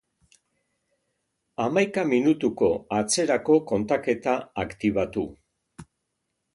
Hamaika minutuko atzerako kontaketa aktibatu